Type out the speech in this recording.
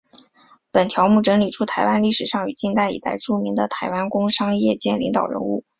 本条目整理出台湾历史上与近代以来著名的台湾工商业界领导人物。